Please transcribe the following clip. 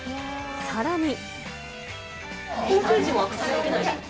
さらに。